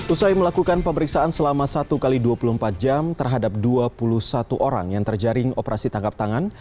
usai melakukan pemeriksaan selama satu x dua puluh empat jam terhadap dua puluh satu orang yang terjaring operasi tangkap tangan